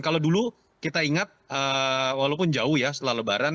kalau dulu kita ingat walaupun jauh ya setelah lebaran